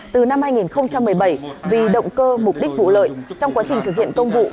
từ năm hai nghìn một mươi bảy vì động cơ mục đích vụ lợi trong quá trình thực hiện công vụ